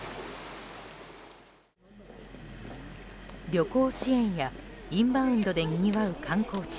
旅行支援やインバウンドでにぎわう観光地。